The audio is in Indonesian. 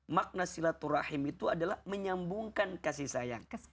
makna silaturahim itu adalah menyambungkan kasih sayang